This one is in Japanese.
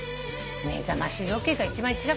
目覚まし時計が一番。